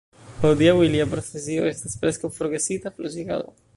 Hodiaŭ ilia profesio estas preskaŭ forgesita: flosigado.